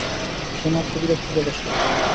সে মাত্র বিরক্তি প্রকাশ করলো?